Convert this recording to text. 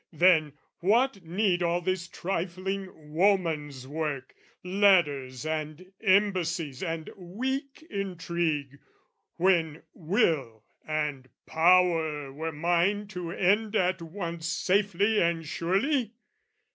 "Then what need all this trifling woman's work, "Letters and embassies and weak intrigue, "When will and power were mine to end at once "Safely and surely?